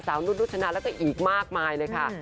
สาวรุ่นนุษย์ชนะแล้วก็อีกมากมายเลยค่ะ